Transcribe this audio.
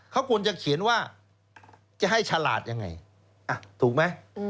เขาควรจะเขียนว่าจะให้ฉลาดยังไงถูกไหม